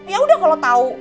yaudah kalau tahu